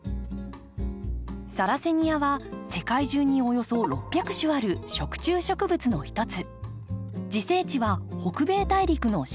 サラセニアは世界中におよそ６００種ある食虫植物の一つ。